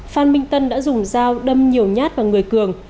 phan minh tân đã dùng dao đâm nhiều nhát vào người cường